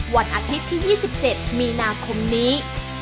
วันอาทิตย์ที่๒๗มีนาคมนี้